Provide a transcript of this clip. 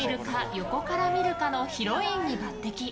横から見るか？」のヒロインに抜擢。